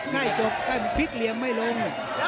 ใกล้จบใกล้มันพลิกเหลี่ยมไม่ลง